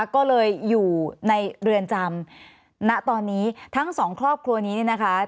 ก็เลยอยู่ในเรือนจำณตอนนี้ทั้งสองครอบครัวนี้เนี่ยนะคะ